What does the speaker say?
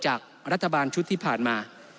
จากรัฐบาลชุดที่ผ่านมา